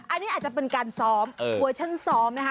อันนี้อาจจะเป็นการซ้อมเวอร์ชั่นซ้อมนะคะ